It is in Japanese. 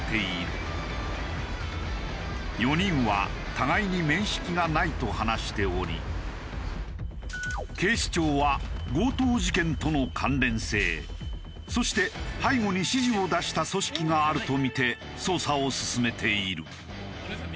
４人は互いに面識がないと話しており警視庁は強盗事件との関連性そして背後に指示を出した組織があるとみて捜査を進めている。